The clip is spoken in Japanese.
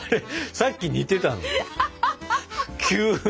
さっき似てたのに。